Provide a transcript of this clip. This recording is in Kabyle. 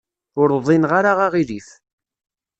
Ur uḍineɣ ara aɣilif.